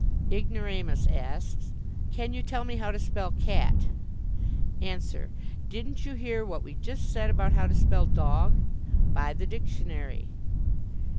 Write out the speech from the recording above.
Ignoramus asks: Can you tell me how to spell "cat"? Answer: Didn't you hear what we just said about how to spell "dog"? Buy the Dictionary.